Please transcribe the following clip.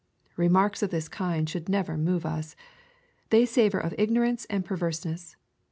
Remarks of this kind should never move us. They savor of igno rance or perverseness.